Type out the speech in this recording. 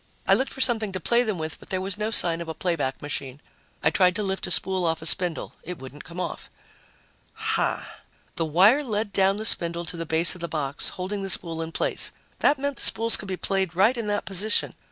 I looked for something to play them with, but there was no sign of a playback machine. I tried to lift a spool off a spindle. It wouldn't come off. Hah! The wire led down the spindle to the base of the box, holding the spool in place. That meant the spools could be played right in that position.